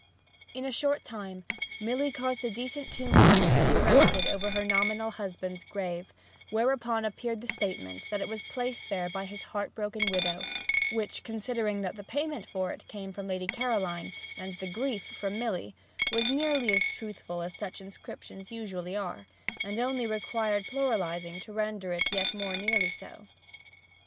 In a short time Milly caused a decent tombstone to be erected over her nominal husband's grave, whereon appeared the statement that it was placed there by his heartbroken widow, which, considering that the payment for it came from Lady Caroline and the grief from Milly, was as truthful as such inscriptions usually are, and only required pluralizing to render it yet more nearly so.